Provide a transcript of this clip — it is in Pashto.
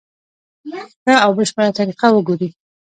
ښه او بشپړه طریقه وګوري.